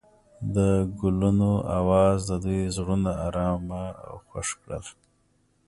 د ګلونه اواز د دوی زړونه ارامه او خوښ کړل.